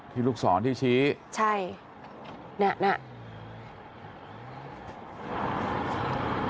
ที่ลูกศรที่ชี้ใช่นี่